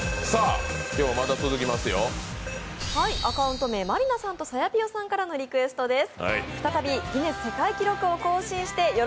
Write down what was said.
アカウント名、マリナさんとさやぴよさんからのリクエストです。